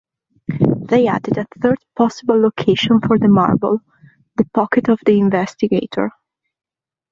They added a third possible location for the marble: the pocket of the investigator.